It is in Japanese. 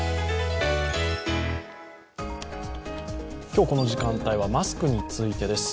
今日この時間帯はマスクについてです。